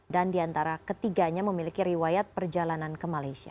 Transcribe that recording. dan di antara ketiganya memiliki riwayat perjalanan ke malaysia